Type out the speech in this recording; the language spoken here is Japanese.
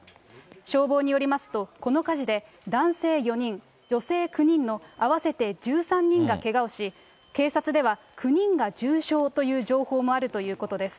消防によりますと、この火事で男性４人、女性９人の合わせて１３人がけがをし、警察では９人が重傷という情報もあるということです。